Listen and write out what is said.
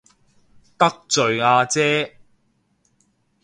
得罪阿姐